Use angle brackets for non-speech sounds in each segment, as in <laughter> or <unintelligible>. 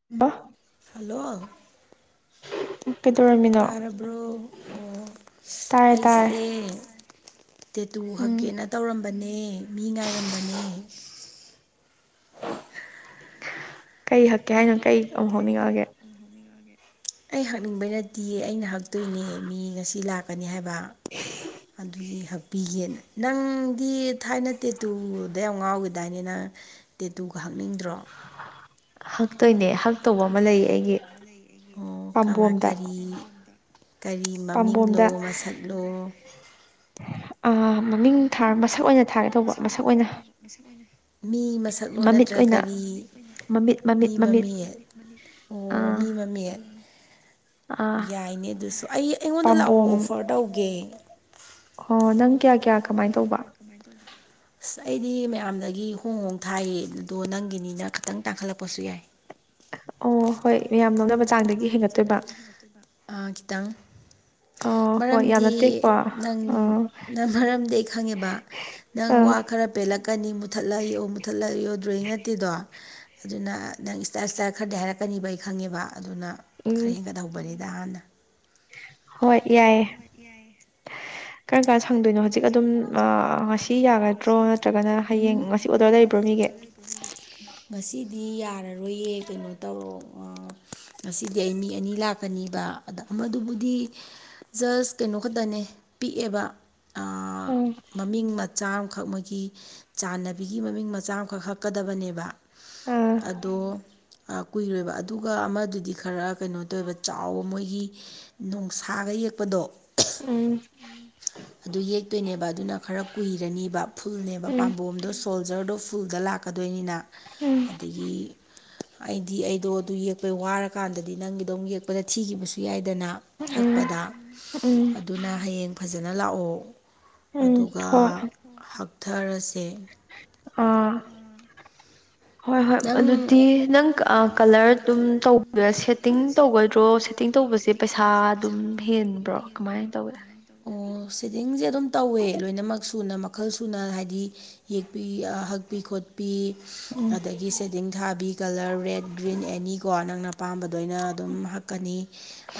<unintelligible> Hello ꯀꯩꯗꯧꯔꯝꯃꯤꯅꯣ ꯇꯥꯔꯕ꯭ꯔꯣ ꯑꯣ ꯇꯥꯔꯦ ꯇꯥꯔꯦ ꯑꯩꯁꯦ ꯇꯦꯇꯨ ꯎꯝ ꯍꯛꯀꯦꯅ ꯇꯧꯔꯝꯕꯅꯦ ꯃꯤ ꯉꯥꯏꯔꯝꯕꯅꯦ꯫ ꯀꯩ ꯍꯛꯀꯦ ꯍꯥꯏꯅ ꯀꯩ ꯑꯃꯨꯛ ꯍꯧꯅꯤꯡꯉꯛꯑꯒꯦ ꯑꯩ ꯍꯛꯅꯤꯡꯕꯩ ꯅꯠꯇꯤꯌꯦ ꯑꯩꯅ ꯍꯛꯇꯣꯏꯅꯦ ꯃꯤ ꯉꯁꯤ ꯂꯥꯛꯀꯅꯤ ꯍꯥꯏꯕ <inaudible> ꯗꯨꯗꯤ ꯍꯛꯄꯤꯒꯦꯅ ꯅꯪꯗꯤ ꯊꯥꯏꯅ ꯇꯦ ꯇꯨꯗ ꯌꯥꯝ ꯉꯥꯎꯈꯤꯗꯥꯏꯅꯤ ꯅꯪ ꯇꯦꯇꯨꯒ ꯍꯥꯞꯅꯤꯡꯗ꯭ꯔꯣ꯫ ꯍꯛꯇꯣꯏꯅꯦ ꯍꯛꯇꯧꯕ ꯑꯃ ꯂꯩꯌꯦ ꯑꯩꯒꯤ ꯑꯣ ꯄꯥꯝꯕꯣꯝꯗ ꯀꯔꯤ ꯀꯔꯤ ꯃꯃꯤꯡꯂꯣ ꯄꯥꯝꯕꯣꯝꯗ ꯃꯁꯛ ꯂꯣ ꯃꯃꯤꯡ ꯊꯥ ꯃꯁꯛ ꯑꯣꯏꯅ ꯊꯥꯔꯦ ꯇꯧꯕ ꯃꯁꯛ ꯑꯣꯏꯅ ꯃꯤ ꯃꯁꯛꯂꯣ ꯃꯃꯤꯠ ꯅꯠꯇ꯭ꯔꯒ ꯑꯣꯏꯅ ꯀꯔꯤ ꯃꯃꯤꯠ ꯃꯤ ꯃꯃꯤꯠ ꯃꯃꯤꯠ ꯑꯣ ꯑꯥ ꯃꯤ ꯃꯃꯤꯠ ꯑꯥ ꯌꯥꯏꯅꯦ ꯑꯗꯨꯁꯨ ꯑꯩ ꯑꯩꯉꯣꯟꯗ ꯂꯥꯛꯑꯣ ꯄꯥꯝꯕꯣꯝ ꯑꯣꯐꯔ ꯇꯧꯒꯦ ꯑꯣ ꯅꯪ ꯀꯌꯥ ꯀꯌꯥ ꯀꯃꯥꯏꯅ ꯇꯧꯕ ꯑꯁ ꯑꯩꯗꯤ ꯃꯌꯥꯝꯗꯒꯤ ꯍꯣꯡ ꯍꯣꯡ ꯊꯥꯏꯗꯣ ꯅꯪꯒꯤꯅꯤꯅ ꯈꯤꯇꯪ ꯇꯥꯡꯈꯠꯂꯛꯄꯁꯨ ꯌꯥꯏ ꯑꯣ ꯍꯣꯏ ꯃꯌꯥꯝ ꯅꯣꯝꯅꯕ ꯆꯥꯡꯗꯒꯤ ꯍꯦꯟꯒꯠꯇꯣꯏꯕ ꯈꯤꯇꯪ ꯑꯣ ꯍꯣꯏ ꯌꯥꯝ ꯃꯔꯝꯗꯤ ꯅꯠꯇꯦꯀꯣ ꯅꯪ ꯑꯣ ꯅꯪ ꯃꯔꯝꯗꯤ ꯑꯩ ꯈꯪꯉꯦꯕ ꯅꯪ ꯑ ꯋꯥ ꯈꯔ ꯄꯦꯜꯂꯛꯀꯅꯤ ꯃꯨꯠꯊꯠꯂꯛꯏꯑꯣ ꯃꯨꯠꯊꯠꯂꯛꯏꯑꯣ ꯗ꯭ꯔꯣꯋꯤꯡ ꯅꯠꯇꯦꯗꯣ ꯑꯗꯨꯅ ꯅꯪ ꯏꯁꯇꯥꯏꯜ ꯏꯁꯇꯥꯏꯜ ꯈꯔꯗꯤ ꯍꯥꯏꯔꯛꯀꯅꯤꯕ ꯑꯩ ꯈꯪꯉꯦꯕ ꯑꯗꯨꯅ꯫ ꯈꯔ ꯎꯝ ꯍꯦꯟꯒꯠꯍꯧꯕꯅꯤꯗ ꯍꯥꯟꯅ꯫ ꯍꯣꯏ ꯌꯥꯏꯌꯦ꯫ ꯀꯔꯝ ꯀꯥꯟꯗ ꯁꯪꯗꯣꯏꯅꯣ ꯍꯧꯖꯤꯛ ꯑꯗꯨꯝ ꯉꯁꯤ ꯌꯥꯒꯗ꯭ꯔꯣ ꯅꯠꯇ꯭ꯔꯒꯅ ꯍꯌꯦꯡ ꯉꯁꯤ ꯑꯣꯗꯔ ꯂꯩꯕ꯭ꯔꯣ ꯃꯤꯒꯤ ꯉꯁꯤꯗꯤ ꯌꯥꯔꯔꯣꯏꯌꯦ ꯀꯩꯅꯣ ꯇꯧꯔꯣ ꯉꯁꯤꯗꯤ ꯑꯩ ꯃꯤ ꯑꯅꯤ ꯂꯥꯛꯀꯅꯤꯕ ꯑꯗ ꯑꯃꯗꯨꯕꯨꯗꯤ ꯖꯁ ꯀꯩꯅꯣ ꯈꯛꯇꯅꯦ ꯄꯤꯛꯑꯦꯕ꯫ ꯎꯝ ꯃꯃꯤꯡ ꯃꯆꯥ ꯑꯃꯈꯛ ꯃꯣꯏ ꯑꯩꯈꯣꯏꯒꯤ ꯆꯥꯟꯅꯕꯤꯒꯤ ꯃꯃꯤꯡ ꯃꯆꯥ ꯑꯃꯈꯛ ꯍꯛꯀꯗꯕꯅꯦꯕ ꯑꯥ ꯑꯗꯣ ꯀꯨꯏꯔꯣꯏꯕ ꯑꯗꯨꯒ ꯑꯃꯗꯨꯗꯤ ꯈꯔ ꯀꯩꯅꯣ ꯇꯧꯋꯦꯕ ꯆꯥꯎꯕ ꯃꯣꯏꯒꯤ ꯅꯨꯡꯁꯥꯒ ꯌꯦꯛꯄꯗꯣ꯫ ꯎ꯫ ꯑꯗꯨ ꯌꯦꯛꯇꯣꯏꯅꯦꯕ ꯑꯗꯨꯅ ꯈꯔ ꯀꯨꯏꯔꯅꯤꯕ ꯐꯨꯜꯅꯦꯕ ꯎꯝ ꯄꯥꯝꯕꯣꯝꯗꯣ ꯁꯣꯜꯖꯔꯗꯣ ꯐꯨꯜꯗ ꯂꯥꯛꯄ꯫ ꯂꯥꯛꯀꯗꯣꯏꯅꯤꯅ ꯎꯝ ꯑꯗꯒꯤ ꯑꯩꯗꯤ ꯑꯩꯗꯣ ꯑꯗꯨ ꯌꯦꯛꯄꯩ ꯋꯥꯔꯀꯥꯟꯗꯗꯤ ꯅꯪꯒꯤꯗꯣꯛ ꯌꯦꯛꯄꯗ ꯊꯤꯈꯤꯕꯁꯨ ꯌꯥꯏꯗꯅ ꯎꯝ ꯍꯛꯄꯗ ꯎꯝ ꯑꯗꯨꯅ ꯍꯌꯦꯡ ꯐꯖꯅ ꯐꯅ ꯂꯥꯛꯑꯣ ꯎꯝ ꯑꯗꯨꯒ ꯍꯣꯏ ꯍꯛꯊꯔꯁꯦ ꯑꯥ ꯍꯣꯏ ꯍꯣꯏ ꯅꯪ ꯑꯗꯨꯗꯤ ꯅꯪ ꯀꯂꯔ ꯑꯗꯨꯝ ꯇꯧꯕꯦ ꯁꯦꯠꯇꯤꯡ ꯇꯧꯒꯗ꯭ꯔꯣ ꯁꯦꯠꯇꯤꯡ ꯇꯧꯕꯁꯦ ꯄꯩꯁꯥ ꯑꯗꯨꯝ ꯍꯦꯟꯕ꯭ꯔꯣ ꯀꯃꯥꯏꯅ ꯇꯧꯏꯦ ꯑꯣ ꯁꯤꯦꯗꯤꯤꯡꯁꯦ ꯑꯗꯨꯝ ꯇꯧꯋꯦ ꯂꯣꯏꯅꯃꯛ ꯁꯨꯅ ꯃꯈꯜ ꯁꯨꯅ ꯍꯥꯏꯗꯤ ꯌꯦꯛꯄꯤ ꯍꯛꯄꯤ ꯈꯣꯠꯄꯤ ꯎꯝ ꯑꯗꯒꯤ ꯤꯡ ꯊꯥꯕꯤ ꯀꯂꯔ ꯔꯦꯠ ꯒ꯭ꯔꯤꯟ ꯑꯦꯅꯤ ꯀꯣ ꯅꯪꯅꯝ ꯂꯣꯏꯅ ꯑꯗꯨꯝ ꯍꯥꯞꯀꯅꯤ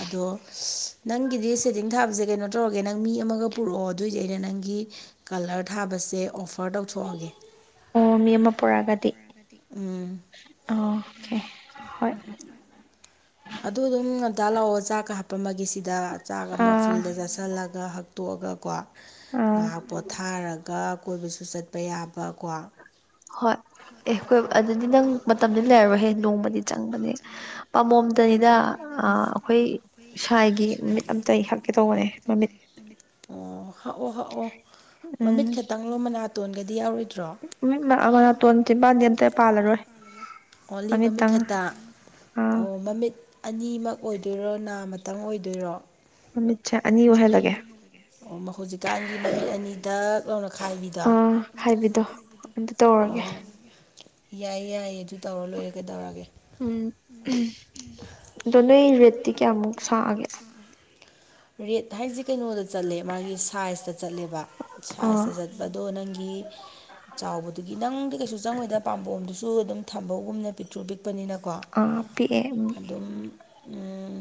ꯑꯗꯣ ꯅꯪꯒꯤꯗꯤ ꯁꯦꯠꯇꯤꯡ ꯊꯥꯕꯁꯦ ꯀꯩꯅꯣ ꯇꯧꯔꯒꯦ ꯅꯪ ꯃꯤ ꯑꯃꯒ ꯄꯨꯔꯛꯑꯣ ꯑꯗꯨꯑꯣꯏꯗꯤ ꯑꯩꯅ ꯅꯪꯒꯤ꯫ ꯀꯂꯔ ꯊꯥꯕꯁꯦ ꯑꯣꯐ꯫ ꯑꯣ ꯃꯤ ꯑꯃ ꯄꯨꯔꯛꯑꯒꯗꯤ꯫ ꯎꯝ ꯑꯣꯀꯦ ꯍꯣꯏ ꯑꯗꯨ ꯑꯗꯨꯝ ꯉꯟꯇꯥ ꯂꯥꯛꯑꯣ ꯆꯥꯛꯀ ꯍꯥꯞꯄꯃꯒ ꯁꯤꯗ ꯆꯥꯛ ꯑꯃ ꯑꯥ ꯐꯨꯜꯗ ꯆ ꯆꯜꯂꯒ ꯍꯛꯇꯣꯛꯑꯒꯀꯣ ꯑꯥ ꯉꯥꯏꯍꯥꯛ ꯄꯣꯊꯥꯔꯒ ꯀꯣꯏꯕꯁꯨ ꯆꯠꯄ ꯌꯥꯕꯀꯣ ꯍꯣꯏ ꯑꯦ ꯍꯣꯏ ꯑꯗꯨꯗꯤ ꯅꯪ ꯃꯇꯝꯗꯨ ꯂꯩꯔꯔꯣꯏꯍꯦ ꯅꯣꯡꯃꯗꯤ ꯆꯪꯕꯅꯦ ꯄꯥꯃꯣꯝꯇꯅꯤꯗ ꯑꯩꯈꯣꯏ ꯁ꯭ꯋꯥꯥꯏꯒꯤ ꯃꯃꯤꯠ ꯑꯝꯇ ꯑꯩ ꯍꯛꯀꯦ ꯇꯧꯕꯅꯦ ꯃꯃꯤꯠ ꯑꯣ ꯍꯥꯛꯑꯣ ꯍꯥꯛꯑꯣ ꯎꯝ ꯅꯨꯃꯤꯠ ꯈꯛꯇꯪ ꯂꯣ ꯃꯅꯥꯇꯣꯟꯒꯗꯤ ꯌꯥꯎꯔꯣꯏꯗ꯭ꯔꯣ ꯎꯝ ꯂꯥꯛꯑꯒ ꯅꯥꯇꯣꯟ ꯆꯤꯝꯄꯥꯟꯗꯤ ꯑꯝꯇ ꯄꯥꯜꯂꯔꯣꯏ ꯑꯣꯡꯂꯤ ꯃꯃꯤꯠ ꯃꯃꯤꯠꯇꯪ ꯍꯇꯥ ꯑꯥ ꯑꯣ ꯃꯃꯤꯠ ꯑꯅꯤꯃꯛ ꯑꯣꯏꯗꯣꯏꯔꯣ ꯅꯥꯃꯇꯪ ꯑꯣꯏꯗꯣꯏꯔꯣ ꯑꯃꯃꯤꯠꯁ ꯑꯅꯤ ꯑꯣꯏꯍꯜꯂꯒꯦ ꯑꯣ ꯍꯧꯖꯤꯛꯀꯥꯟꯒꯤ ꯃꯃꯤꯠ ꯑꯅꯤꯗ ꯂꯅ ꯈꯥꯏꯕꯤꯗꯣ ꯑꯥ ꯍꯥꯏꯕꯤꯗꯣ ꯑꯗꯨ ꯇꯧꯔꯒꯦ ꯑꯣ ꯌꯥꯏ ꯌꯥꯏꯌꯦ ꯑꯗꯨ ꯇꯧꯔ ꯂꯣꯏꯔꯦ ꯀꯩꯗꯧꯔꯒꯦ ꯎꯝ ꯑꯗꯣ ꯅꯣꯏ ꯔꯦꯠꯇꯤ ꯀꯌꯥꯃꯨꯛ ꯁꯛꯑꯒꯦ ꯔꯦꯠ ꯍꯥꯏꯁꯦ ꯀꯩꯅꯣꯗ ꯆꯠꯂꯦ ꯃꯥꯒꯤ ꯁꯥꯏꯖꯇ ꯆꯠꯂꯦꯕ ꯑꯥ ꯁꯥꯏꯖꯇ ꯆꯠꯦ ꯑꯗꯣ ꯅꯪꯒꯤ ꯆꯥꯎꯕꯗꯨꯒꯤ ꯅꯪꯗꯤ ꯀꯩꯁꯨ ꯆꯪꯉꯣꯏꯗ ꯄꯥꯝꯕꯣꯝꯗꯨꯁꯨ ꯑꯗꯨꯝ ꯊꯝꯕꯒꯨꯝꯅ ꯄꯤꯛꯇ꯭ꯔꯨ ꯄꯤꯛꯄꯅꯤꯅꯀꯣ꯫ ꯑꯥ ꯄꯤꯛꯑꯦ ꯎꯝ ꯑꯗꯨꯝ꯫ ꯎꯝ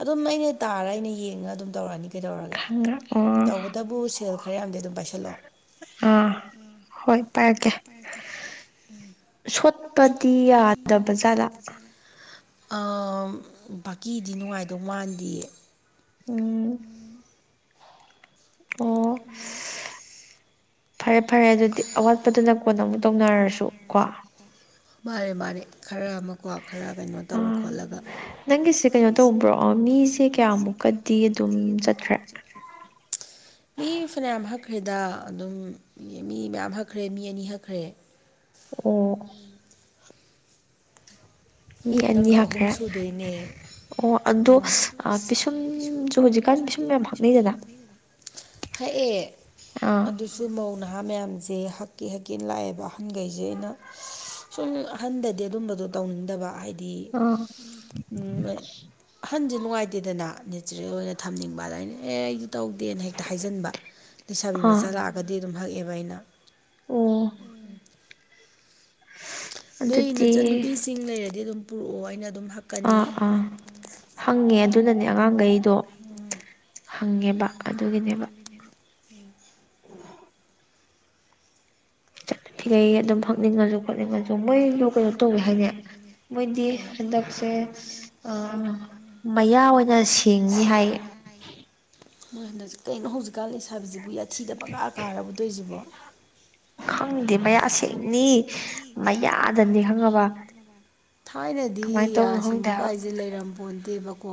ꯑꯗꯨꯝ ꯑꯩꯅ ꯇꯥꯔ ꯑꯩꯅ ꯌꯦꯡꯉ ꯑꯗꯨꯝ ꯇꯧꯔꯛꯑꯅꯤ ꯀꯩꯗꯧꯔꯒꯦ꯫ ꯈꯪꯉꯦ ꯑꯣ ꯇꯧꯕꯇꯕꯨ ꯁꯦꯜ ꯈꯔ ꯌꯥꯝꯗꯤ ꯑꯗꯨꯝ ꯄꯥꯏꯁꯤꯜꯂꯑꯣ꯫ ꯑꯥ ꯍꯣꯏ ꯄꯥꯏꯔꯛꯀꯦ ꯁ ꯁꯠꯄꯗꯤꯤ ꯌꯥꯗ ꯖꯔ ꯕꯥꯀꯤꯗꯤ ꯅꯨꯡꯉꯥꯏꯗꯧ ꯃꯥꯟꯗꯌꯦ ꯎꯝ ꯑꯣ ꯎꯝ ꯐꯔꯦ ꯐꯔꯦ ꯑꯗꯨꯗꯤ ꯑꯋꯥꯠꯄꯗꯨꯅ ꯀꯣꯟ ꯑꯃꯨꯛ ꯇꯧꯅꯔꯁꯨ ꯀꯣ ꯃꯥꯅꯦ ꯃꯥꯅꯦ ꯈꯔ ꯑꯃꯀꯣ ꯈꯔ ꯀꯩꯅꯣ ꯇꯧꯔ ꯑꯥ ꯈꯣꯠꯂꯒ ꯅꯪꯒꯤꯁꯦ ꯀꯩꯅꯣ ꯇꯧꯕ꯭ꯔꯣ ꯃꯤꯁꯦ ꯀꯌꯥꯃꯨꯛꯀꯗꯤ ꯑꯗꯨꯝ ꯆꯠꯈ꯭ꯔꯦ ꯃꯤ ꯐꯅꯌꯥꯝ ꯍꯛꯈ꯭ꯔꯦꯗ ꯑꯗꯨꯝ ꯃꯤ ꯃꯌꯥꯝ ꯍꯛꯈ꯭ꯔꯦ ꯃꯤ ꯑꯅꯤ ꯍꯛꯈ꯭ꯔꯦ ꯎꯝ ꯃꯤ ꯅꯪꯒ ꯑꯅꯤꯈꯛ ꯑꯍꯨꯝ ꯈꯔ ꯁꯨꯗꯣꯏꯅꯦ ꯑꯣ ꯑꯗꯣ ꯄꯤꯁꯨꯝꯁꯨ ꯍꯧꯖꯤꯛꯀꯥꯟ ꯄꯤꯁꯨꯝ ꯃꯌꯥꯝ ꯍꯛꯅꯩꯗꯅ ꯍꯥꯏꯑ ꯑꯥ ꯑꯗꯨꯁꯨ ꯁꯨ ꯃꯧ ꯅꯍꯥ ꯃꯌꯥꯝꯁꯦ ꯍꯛꯀꯤ ꯍꯛꯀꯤ ꯂꯥꯛꯑꯦꯕ ꯑꯍꯟꯈꯩꯁꯦ ꯑꯩꯅ ꯁꯨꯝ ꯑꯍꯟꯗꯗꯤ ꯑꯗꯨꯝꯕꯗꯣ ꯇꯧꯅꯤꯡꯗꯕ ꯍꯥꯏꯗꯤ ꯑꯃꯗꯤ ꯑꯥ ꯑꯍꯟꯁꯦ ꯅꯨꯡꯉꯥꯏꯇꯦꯗꯅ ꯅꯦꯆꯔꯦꯜ ꯑꯣꯏꯅ ꯊꯝꯅꯤꯡꯕꯗ ꯑꯩꯅ ꯑꯦ ꯑꯩꯗꯤ ꯇꯧꯗꯦꯅ ꯍꯥꯏ ꯑ ꯍꯥꯏꯖꯤꯟꯕ ꯂꯩꯁꯥꯕꯤ ꯃꯆꯥ ꯑꯥ ꯂꯥꯛꯑꯒꯗꯤ ꯑꯗꯨꯝ ꯍꯛꯑꯦꯕ ꯑꯩꯅ ꯎꯝ ꯎꯝ ꯅꯣꯏ ꯅꯆꯟꯅꯨꯄꯤꯁꯤꯡ ꯂꯩꯔꯗꯤ ꯑꯗꯨꯝ ꯄꯨꯔꯛꯑꯣ ꯑꯩꯅ ꯑꯗꯨꯝ ꯍꯛꯀꯅꯤ ꯑꯥ ꯑꯥ ꯍꯪꯉꯦ ꯑꯗꯨꯅꯅꯦ ꯑꯉꯥꯡꯈꯩꯗꯣ ꯍꯪꯉꯦꯕ ꯑꯗꯨꯒꯤꯅꯦꯕ ꯍꯂ ꯐꯤꯒꯩ ꯑꯗꯨꯝ ꯐꯛꯅꯤꯡꯉꯁꯨ ꯈꯣꯠꯅꯤꯡꯉꯁꯨ ꯃꯣꯏꯗ ꯀꯩꯅꯣ ꯇꯧꯋꯦ ꯍꯥꯏꯅꯦ ꯃꯣꯏꯗꯤ ꯍꯟꯗꯛꯁꯦ ꯑ ꯃꯌꯥ ꯑꯣꯏꯅ ꯁꯦꯡꯉ ꯍꯥꯏ ꯃꯣꯏ ꯍꯟꯗꯛꯖꯤꯛ ꯀꯩꯅꯣ ꯍꯧꯖꯤꯛꯀꯥꯟ ꯂꯩ ꯁꯥꯥꯕꯤꯕꯁꯤꯕꯨ ꯌꯥꯊꯤꯗꯕꯀꯥꯔ ꯀꯥꯔꯨꯗꯣꯏꯁꯤꯕꯣ ꯈꯪꯗꯦ ꯃꯌꯥ ꯁꯦꯡꯅꯤ ꯃꯌꯥꯗꯅꯤ ꯈꯪꯉꯕ ꯀꯃꯥꯏꯅ ꯊꯥꯏꯅꯗꯤ ꯇꯧꯅꯣ ꯌꯥ ꯈꯪꯗꯦ ꯁꯤꯡꯕ ꯍꯥꯏꯕ ꯀꯥꯏꯁꯦ ꯂꯩꯔꯝꯕꯄꯣꯟꯗꯦꯕꯀꯣ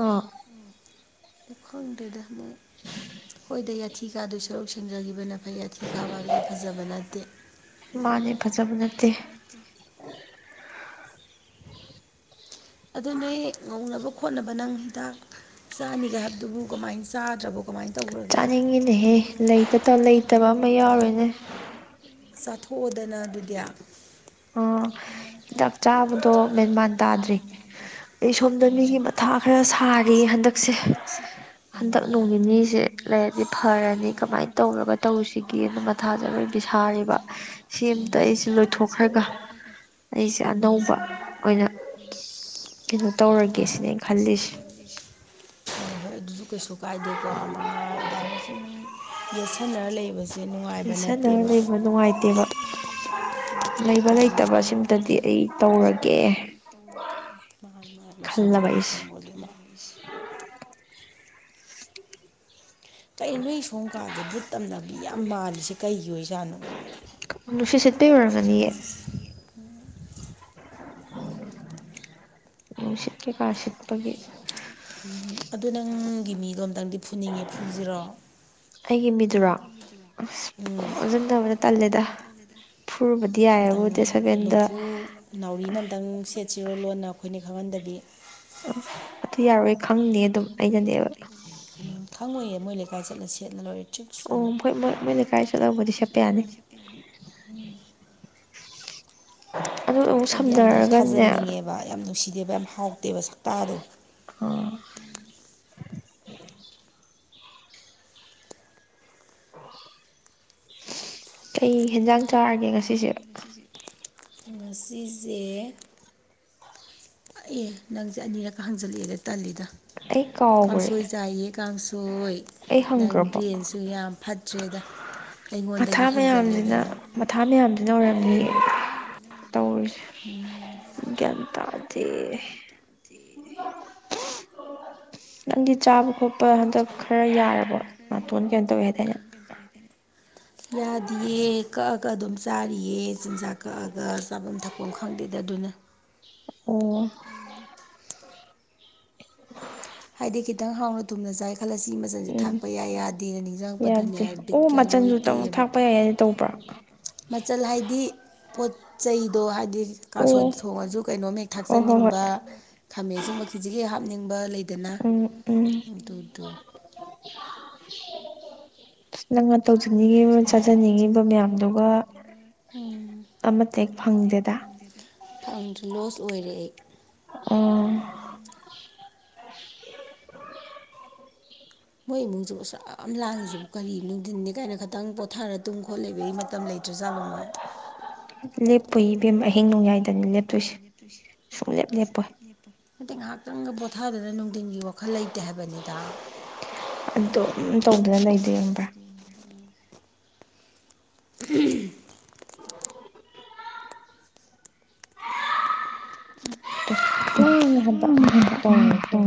ꯑꯥ ꯎ ꯑꯩ ꯈꯪꯗ꯭ꯔꯦꯗꯛ ꯍꯣꯏꯗ ꯌꯥꯊꯤ ꯀꯥꯗ ꯁꯔꯨ ꯁꯦꯡꯖꯈꯤꯕꯅꯦ ꯃ ꯑꯊꯤ ꯀꯥꯕ ꯍꯥꯏꯕꯁꯦ ꯐꯖꯕ ꯅꯠꯇꯦ ꯃꯥꯅꯦ ꯐꯖꯕ ꯅꯠꯇꯦ ꯑꯗꯨ ꯅ ꯉꯧꯅꯕ ꯈꯣꯠꯅꯕ ꯅꯪ ꯍꯤꯗꯥꯛ ꯆꯥꯅꯤꯒꯦ ꯍꯥꯏꯕꯗꯨꯕꯨ ꯀꯃꯥꯏꯅ ꯆꯥꯗ꯭ꯔꯕꯣ ꯀꯃꯥꯏꯅ ꯇꯧꯔꯒꯦ ꯆꯥꯅꯤꯡꯉꯤꯅꯦꯍꯦ ꯂꯩꯇ ꯂꯩꯇꯕ ꯑꯃ ꯌꯥꯎꯔꯦꯅꯦ ꯆꯥꯊꯣꯛꯑꯣꯗꯅ ꯑꯗꯨꯗꯤ ꯑꯥ ꯍꯤꯗꯥꯛ ꯆꯥꯕꯗꯣ ꯃꯦꯟꯃꯥꯟ ꯇꯥꯗ꯭ꯔꯤ ꯑꯩ ꯁꯣꯝꯗ ꯍꯟꯗꯛꯁꯦ ꯃꯤꯒꯤ ꯃꯊꯥ ꯈꯔ ꯁꯥꯔꯤ ꯍꯟꯗꯛꯁꯦ ꯍꯟꯗꯛ ꯅꯣꯡ ꯐꯧ ꯅꯤꯅꯤꯁꯦ ꯂꯩꯔꯗꯤ ꯐꯔꯅꯤ ꯀꯃꯥꯏꯅ ꯇꯧꯔꯒ ꯇꯧꯁꯤꯒꯦ ꯀꯦꯅ ꯃꯊꯥꯁꯦ ꯂꯣꯏ ꯄꯕꯤ ꯁꯥꯥꯔꯤꯕ ꯁꯤ ꯑꯃꯇ ꯑꯩꯁ ꯂꯣꯏꯊꯣꯛ ꯑꯣꯏꯅ <unintelligible> ꯀꯩꯅꯣ ꯇꯧꯔꯒꯦ ꯁꯤꯅꯦ ꯑꯩꯅ ꯈꯜꯂꯤꯁꯦ ꯍꯣꯏ ꯍꯣꯏ ꯑꯗꯨꯁꯨ ꯀꯩꯁꯨ ꯀꯥꯏꯗꯦꯀꯣ ꯑꯃ ꯑꯗꯨꯃꯥꯏꯅ ꯁꯨꯝ ꯌꯦꯠꯁꯟꯅꯔ ꯂꯩꯕ ꯁꯅꯔ ꯂꯩꯕ ꯅꯨꯡꯉꯥꯏꯇꯦꯕ ꯂꯩꯕ ꯎꯝ ꯂꯩꯇꯕ ꯁꯤꯝꯇꯗꯤ ꯑꯩ ꯇꯧꯔꯒꯦ ꯋꯥ <unintelligible> ꯁꯝꯃꯒꯦ ꯁꯝꯃꯒꯦ ꯃꯥꯒꯤꯁꯤ ꯀꯔꯤ ꯅꯣ ꯁꯣꯝ ꯀꯥꯟꯁꯦ ꯕꯨꯠ ꯇꯝꯅꯕ ꯌꯥꯝ ꯃꯥꯜꯂꯤꯁꯦ ꯀꯩꯒꯤ ꯑꯣꯏꯖꯥꯠꯅꯣ ꯅꯨꯡꯁꯤꯠ ꯁꯦꯠꯄꯩ ꯑꯣꯏꯔꯝꯒꯅꯤꯌꯦ <unintelligible> ꯁꯤꯠꯄꯒꯤ ꯎ ꯑꯗꯨ ꯅꯪꯒꯤ ꯃꯤꯗꯣ ꯑꯝꯇꯪꯗꯤ ꯐꯨꯅꯤꯡꯉꯦ ꯐꯨꯁꯤꯔꯣ ꯑꯩꯒꯤ ꯃꯤꯗꯨꯔꯣ ꯑꯁ ꯎꯝ ꯑꯣꯖꯟꯗꯕꯅ ꯇꯜꯂꯦꯗ ꯐꯨꯔꯨꯕꯗꯤꯌꯥꯕꯨ ꯑꯝꯇꯪ ꯂꯨꯝꯐꯨ ꯅꯥꯎꯔꯤꯅ ꯑꯝꯇꯪ ꯁꯦꯠꯁꯤꯔꯣ ꯂꯣꯟꯅ ꯑꯩꯈꯣꯏꯅ ꯈꯪꯍꯟꯗꯕꯤꯢ ꯑꯗꯨ ꯌꯥꯔꯣꯏ ꯈꯪꯗꯦ ꯗꯨꯝ ꯑꯩꯅꯅꯦꯕ ꯎꯝ ꯈꯪꯉꯣꯏꯌꯦ ꯃꯣꯏ ꯂꯩꯀꯥꯏ ꯆꯠꯂ ꯁꯦꯠꯂ ꯂꯣꯏꯔꯦ ꯇ꯭ꯔꯤꯛꯁ ꯑꯣ ꯑꯅ ꯍꯣꯏ ꯃꯣꯏ ꯃꯣꯏ ꯂꯩꯀꯥꯏ ꯆꯠꯂꯧꯕꯗꯤ ꯁꯦꯠꯄ ꯌꯥꯅꯤ ꯑꯗꯨ ꯑꯃꯨꯛ ꯍꯥꯏꯗꯤ ꯌꯥꯝꯅ ꯁꯝꯅꯔꯒꯅꯦ ꯊꯥꯖꯟꯅꯤꯡꯉꯦꯕ ꯌꯥꯝ ꯅꯨꯡꯁꯤꯗꯦꯕ ꯌꯥꯝ ꯍꯥꯎꯇꯦꯕ ꯁꯛꯇꯇꯥꯗꯣ ꯑꯣ ꯀꯩ ꯍꯦꯟꯖꯥꯡ ꯆꯥꯔꯒꯦ ꯉꯁꯤꯁꯦ ꯉꯁꯤꯁꯦ ꯑꯦ ꯅꯪꯁꯦ ꯑꯅꯤꯔꯛ ꯍꯪꯖꯜꯂꯛꯑꯦꯗ ꯇꯜꯂꯤꯗ ꯑꯩ ꯀꯥꯎꯈ꯭ꯔꯦ ꯀꯥꯡꯪꯁꯣꯏ ꯆꯩ ꯀꯥꯡꯁꯣꯏ ꯑꯩ ꯅꯪ ꯍꯪꯈ꯭ꯔꯕꯣ ꯕ꯭ꯔꯦꯟꯁꯨ ꯌꯥꯝ ꯐꯠꯇ꯭ꯔꯦꯗ ꯃꯊꯥ ꯑꯩꯉꯣꯟꯗꯒꯤ ꯃꯌꯥꯝꯁꯤꯅ ꯍꯦꯟꯖꯜꯂꯦꯗꯅ ꯃꯊꯥ ꯃꯌꯥꯝꯗꯨ ꯅꯧꯔꯝꯅꯤ ꯇꯧꯔꯤꯁꯦ ꯎꯝ ꯒꯤꯌꯥꯜ ꯇꯥꯗꯦ ꯊ <unintelligible> ꯅꯪꯗꯤ ꯆꯥꯕ ꯈꯣꯠꯄ ꯑ ꯍꯟꯗꯛ ꯆꯥꯕ ꯈꯔ ꯌꯥꯔꯕꯣ ꯈꯠꯇꯦꯗ ꯅꯥꯇꯣꯟ ꯌꯥꯔꯦ ꯀꯩꯅꯣ ꯇꯧꯋꯦ ꯍꯥꯏꯗꯥꯏꯅꯦ ꯈꯪꯒꯗꯅꯦ ꯌꯥꯗꯤꯌꯦ ꯀꯛꯑꯒ ꯑꯗꯨꯝ ꯆꯥꯔꯤꯑ ꯆꯤꯟꯖꯥꯛ ꯀꯛꯑꯒ ꯆꯥꯐꯝ ꯊꯛꯄ ꯄꯣꯡꯈꯥꯡꯗꯦꯗ ꯑꯗꯨꯅ ꯑꯣ <unintelligible> ꯍꯥꯏꯗꯤ ꯈꯤꯇꯪ ꯍꯥꯎꯅ ꯊꯨꯝꯅ ꯆꯥꯏ ꯈꯜꯂꯁꯤ ꯃꯆꯜ ꯎꯝ ꯊꯥꯛꯄ ꯌꯥꯏ ꯌꯥꯗꯦꯅ ꯅꯤꯡꯁꯤꯡꯉꯛꯄꯗꯅꯦ ꯌꯥꯗꯦ ꯑꯣ ꯕꯤꯠꯀ ꯂꯣꯏ ꯃꯆꯟꯁꯨ ꯇꯦꯛꯑꯦꯕ ꯊꯥꯛꯄ ꯌꯥꯏ ꯍꯥꯏꯅ ꯇꯧꯕ꯭ꯔꯥ ꯃꯆꯜ ꯍꯥꯏꯗꯤ ꯄꯣꯠ ꯆꯩꯗꯣ ꯍꯥꯏꯗꯤ ꯀꯥꯡꯁꯣꯏꯗ ꯑꯣ ꯊꯣꯡꯉꯁꯨ ꯀꯩꯅꯣꯝꯍꯦꯛ ꯑꯣ ꯍꯣ ꯍꯣꯏ ꯊꯥꯛꯆꯅꯤꯡꯕ ꯈꯥꯃꯦꯟꯁꯤꯡꯕ ꯈꯤꯖꯤꯒꯤ ꯍꯥꯞꯅꯤꯡꯕ ꯂꯩ ꯎꯝ ꯎꯝ <unintelligible> ꯇꯧꯖꯅꯤꯡꯉꯤꯕ ꯇꯧꯖꯉ ꯆꯥꯖꯅꯤꯡꯉꯤꯕ ꯃꯌꯥꯝꯗꯨꯒ ꯆꯖꯅꯤꯡꯉ ꯅꯗꯨꯒ ꯎ ꯑꯃꯠꯇ ꯍꯦꯛ ꯐꯪꯗꯦꯗ ꯐꯪꯗ꯭ꯔꯦ ꯂꯣꯁ ꯑꯣꯏꯔꯦ ꯑꯩ ꯎꯝ ꯃꯣꯏ ꯏꯃꯨꯡꯁꯤꯕꯨ ꯑꯁꯦꯌꯥꯝ ꯂꯥꯡꯉꯤꯁꯤꯕꯨ ꯀꯔꯤ ꯅꯨꯡꯊꯟꯅꯤ ꯀꯥꯏꯅ ꯈꯤꯇꯪ ꯄꯣꯊꯥꯔ ꯇꯨꯝ ꯈꯣꯠ ꯂꯩꯕꯒꯤ ꯃꯇꯝ ꯂꯩ ꯇ꯭ꯔꯖꯥꯠꯂꯣ ꯃꯣꯏ ꯂꯦꯞꯄꯨꯢ ꯏꯕꯦꯝꯃ ꯑꯍꯤꯡ ꯅꯣꯡꯌꯥꯏꯗꯅꯦ ꯂꯦꯞꯇꯣꯏꯁꯦ ꯁꯨꯡꯂꯦꯞ ꯂꯦꯞꯄꯣꯏ ꯌꯦꯄꯣ <inaudible> ꯅꯠꯇꯦ ꯉꯥꯏꯍꯥꯛꯇꯪꯒ ꯄꯣꯊꯥꯗꯅ ꯅꯨꯡꯊꯤꯟꯒꯤ ꯋꯥꯈꯜ ꯂꯩꯇꯦ ꯍꯥꯏꯕꯅꯤꯗ ꯑꯗꯨ ꯇꯧꯗꯨꯅ ꯂꯩꯗꯣꯏꯔꯝꯕ꯭ꯔꯥ <unintelligible> ꯑꯁ ꯂꯥꯡꯉꯦ ꯍꯥꯏꯕ ꯎꯝ ꯇꯧꯔꯤꯁꯦ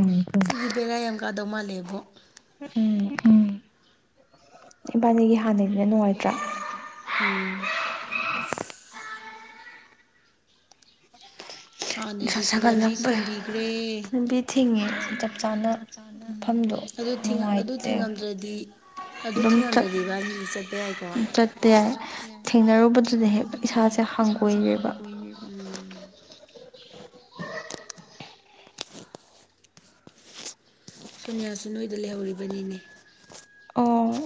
ꯁꯤꯗꯤ ꯕꯦꯔꯥ ꯌꯥꯝ ꯀꯥꯗꯧ ꯃꯥꯜꯂꯦꯕꯣ ꯎꯝ ꯏꯕꯥꯅꯤꯒꯤ ꯍꯥꯟꯅꯒꯤꯅ ꯅꯨꯡꯉꯥꯏꯇ꯭ꯔꯥ ꯎꯝ ꯑꯁ ꯅꯨꯡꯁꯥ ꯍꯥꯟꯅꯩꯗꯨꯁꯨ ꯂꯝꯕꯤ ꯁꯥꯒꯠꯂꯛꯄꯩ ꯊꯤꯡꯕꯤꯈ꯭ꯔꯦ ꯂꯝꯕꯤ ꯊꯤꯡꯉꯦ ꯆꯞ ꯆꯥꯅ ꯃꯐꯝꯗꯣ ꯑꯗꯨ ꯑꯗꯨ ꯅꯨꯡꯉꯥꯏꯇꯦ ꯊꯤꯡꯉꯝꯗ꯭ꯔꯗꯤ ꯑꯗꯨ ꯑꯗꯨꯝ ꯆꯠ ꯊꯤꯡꯉꯝꯗ꯭ꯔꯗꯤ ꯏꯕꯅꯤ ꯍꯧꯖꯤꯛ ꯆꯠꯄ ꯌꯥꯏꯀꯣ ꯆꯠꯄ ꯌꯥꯏ ꯊꯦꯡꯅꯔꯨꯕꯗꯨꯅ ꯍꯦꯛ ꯌꯥꯏ ꯑꯗꯨ ꯏꯁꯥꯁꯦ ꯍꯦꯛ ꯏꯁꯁꯥꯥꯁꯦ ꯍꯥꯡꯒꯣꯏꯔꯦꯕ ꯍꯪꯕꯏ ꯎ <inaudible> ꯁꯨꯅꯤꯌꯥꯁꯨ ꯅꯣꯏꯗ ꯂꯩꯍꯧꯔꯤꯕꯅꯤꯅꯦ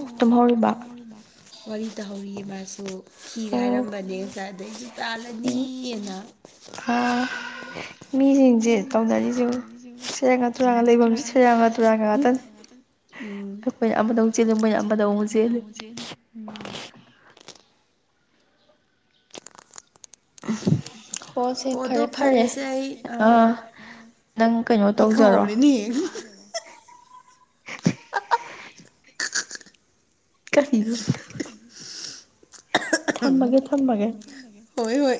ꯑꯣ ꯇꯃꯣꯜꯃ <inaudible> ꯋꯥꯔꯤ ꯇꯧꯍꯧꯔꯤ ꯃꯥꯁꯨ ꯊꯤ ꯑꯣ ꯍꯥꯏꯔꯝꯕꯅꯦ ꯉꯁꯥꯏ ꯑꯗꯩꯁꯨ ꯇꯥꯜꯂꯅꯤꯅ ꯑꯥ ꯑ ꯃꯤꯁꯤꯡꯁꯦ ꯇꯧꯅꯔꯤꯁꯦ ꯌꯦꯡꯉꯨ ꯦ ꯁꯦꯔꯥꯟꯒ ꯇꯨꯔꯥꯟꯒ ꯂꯩꯐꯝꯁꯦ ꯁꯤꯉꯗ ꯁꯦꯔꯥꯟꯒ <inaudible> ꯎꯝ ꯈꯣꯏꯅ ꯑꯃꯗ ꯑꯃꯨꯛ ꯆꯦꯜꯂꯤ ꯃꯣꯏꯅ ꯑꯃꯗ ꯑꯃꯨꯛ ꯆꯦꯜꯂꯤ <inaudible> ꯍꯣ ꯁꯦ ꯑꯣꯗꯣ ꯐꯔꯦ ꯐꯔꯦ ꯐꯔꯦꯁꯦ ꯑꯩ ꯑꯥ ꯅꯪ ꯀꯩꯅꯣ ꯑꯩ ꯇꯧꯖꯔꯣ ꯀꯥꯎꯔꯤꯅꯦ ꯀꯔꯤꯅꯣ ꯊꯝꯃꯒꯦ ꯊꯝꯃꯒꯦ ꯍꯣꯏ ꯍꯣꯏ